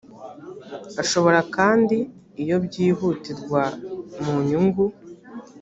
ashobora kandi iyo byihutirwa mu nyungu